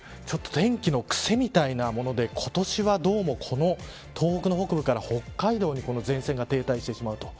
天気のくせみたいなもので今年はどうもこの東北の北部から北海道に前線が停滞してしまうと。